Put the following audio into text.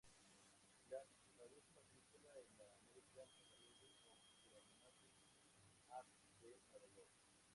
Clark pagó su matrícula en la American Academy of Dramatic Arts de Nueva York.